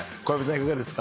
いかがですか？